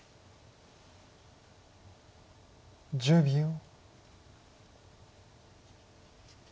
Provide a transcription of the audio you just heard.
１０秒。